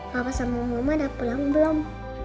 papa sama mama udah pulang belum